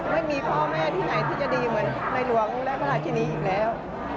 ไม่มีพ่อแม่ที่ไหนที่จะดีเหมือนในหลวงและพระราชินีอีกแล้ว